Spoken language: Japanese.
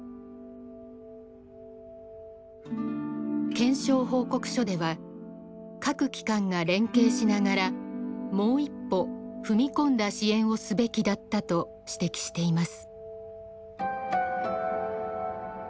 検証報告書では各機関が連携しながらもう一歩踏み込んだ支援をすべきだったと指摘しています。